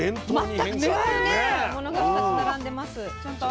全く違うものが２つ並んでます。